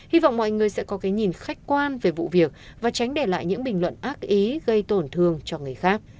hy vọng mọi người sẽ có cái nhìn khách quan về vụ việc và tránh để lại những bình luận ác ý gây tổn thương cho người khác